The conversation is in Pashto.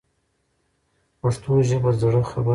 پښتو ژبه د زړه خبره رسوي.